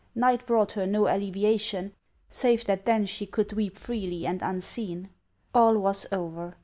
Night brought her no alleviation, save that then she could weep freely and unseen. All was over